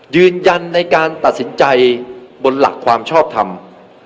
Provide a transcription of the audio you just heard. ยืนยันในการตัดสินใจบนหลักความชอบทำ